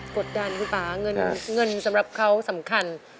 กดดันคุณป่าเงินสำหรับเขาสำคัญ